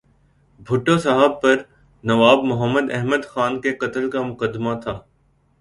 بھٹو صاحب پر نواب محمد احمد خان کے قتل کا مقدمہ تھا۔